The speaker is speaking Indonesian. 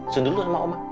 sendirilah sama oma